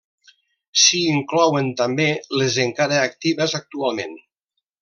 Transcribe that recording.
S'hi inclouen també les encara actives actualment.